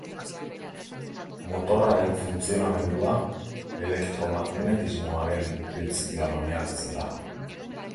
Motorraren funtzionamendua elektromagnetismoaren printzipioan oinarritzen da.